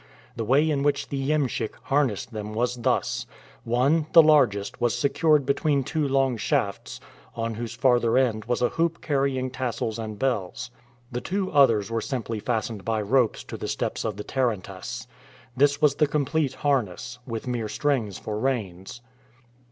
The way in which the iemschik harnessed them was thus: one, the largest, was secured between two long shafts, on whose farther end was a hoop carrying tassels and bells; the two others were simply fastened by ropes to the steps of the tarantass. This was the complete harness, with mere strings for reins.